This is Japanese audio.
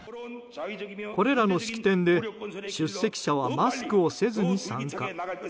これらの式典で出席者はマスクをせずに参加。